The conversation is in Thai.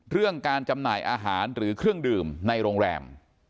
เรื่องการจำหน่ายอาหารหรือเครื่องดื่มในโรงแรม